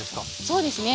そうですね。